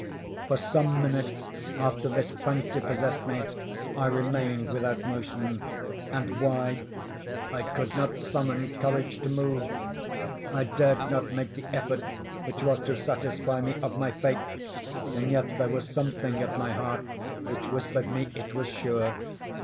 For some minutes after this fancy possessed me, I remained without motion. And why? I could not summon courage to move. I dared not make the effort which was to satisfy me of my fate—and yet there was something at my heart which whispered me it was sure.